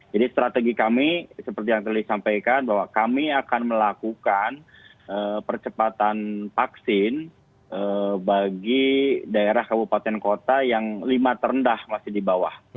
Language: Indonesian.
jadi strategi kami seperti yang telah disampaikan bahwa kami akan melakukan percepatan vaksin bagi daerah kabupaten kota yang lima terendah masih di bawah